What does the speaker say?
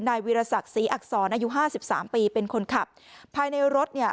นายวิรสักษีอักษรนายุห้าสิบสามปีเป็นคนขับภายในรถเนี้ย